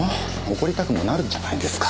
怒りたくもなるじゃないですか。